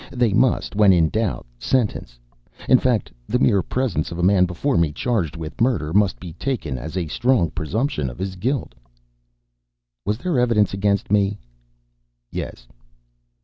They must, when in doubt, sentence. In fact, the mere presence of a man before me charged with murder must be taken as a strong presumption of his guilt." "Was there evidence against me?" "Yes."